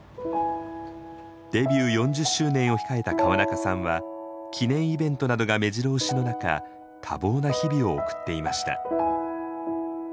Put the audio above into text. デビュー４０周年を控えた川中さんは記念イベントなどがめじろ押しの中多忙な日々を送っていました。